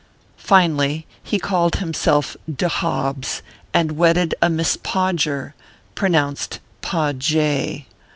Finally, he called himself De Hobbs, and wedded a Miss Podger pronounced Po gshay.